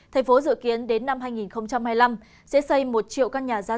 thành phố dự kiến đến năm hai nghìn hai mươi năm sẽ xây một triệu căn nhà gia sản